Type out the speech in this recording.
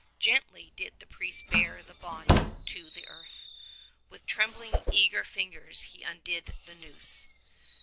Gently did the priest bear the body to the earth. With trembling eager fingers he undid the noose.